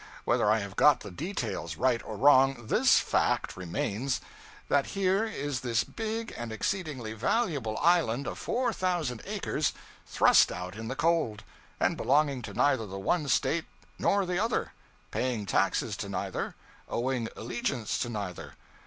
Whether I have got the details right or wrong, this _fact _remains: that here is this big and exceedingly valuable island of four thousand acres, thrust out in the cold, and belonging to neither the one State nor the other; paying taxes to neither, owing allegiance to neither.